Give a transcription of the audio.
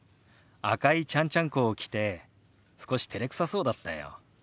赤いちゃんちゃんこを着て少してれくさそうだったよ。